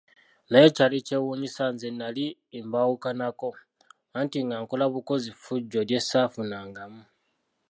Naye ekyali kyewuunyisa nze nnali mbaawukanako, anti nga nkola bukozi ffujjo lye ssaafunangamu.